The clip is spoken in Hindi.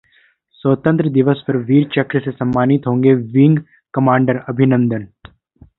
स्वतंत्रता दिवस पर वीर चक्र से सम्मानित होंगे विंग कमांडर अभिनंदन